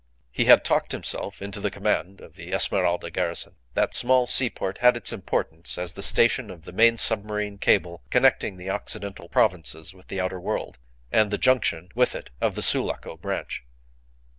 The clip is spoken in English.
He had talked himself into the command of the Esmeralda garrison. That small seaport had its importance as the station of the main submarine cable connecting the Occidental Provinces with the outer world, and the junction with it of the Sulaco branch.